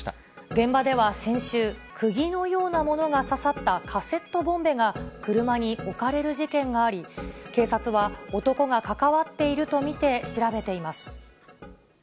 現場では先週、くぎのようなものが刺さったカセットボンベが、車に置かれる事件があり、警察は、男が関わっていると見て調べています。